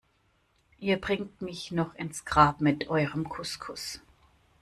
Ihr bringt mich noch ins Grab mit eurem Couscous.